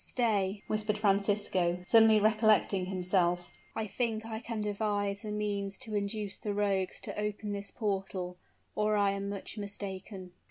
"Stay!" whispered Francisco, suddenly recollecting himself, "I think I can devise a means to induce the rogues to open this portal, or I am much mistaken."